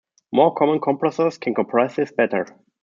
More common compressors can compress this better.